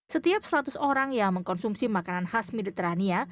setiap seratus orang yang mengkonsumsi makanan khas militerania